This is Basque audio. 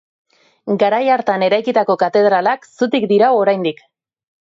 Garai hartan eraikitako katedralak zutik dirau oraindik.